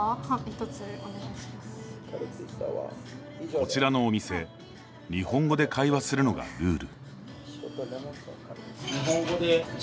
こちらのお店日本語で会話するのがルール。